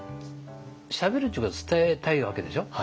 しゃべるっちゅうことは伝えたいわけでしょ。